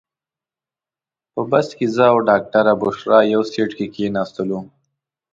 په بس کې زه او ډاکټره بشرا یو سیټ کې کېناستو.